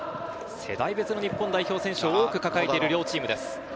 世代別の日本代表選手を多く抱えている両チームです。